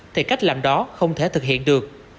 thì cách làm đó không thể thực hiện được